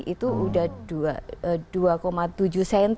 itu sudah dua tujuh cm